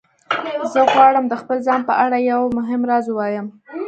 زه غواړم د خپل ځان په اړه یو مهم راز ووایم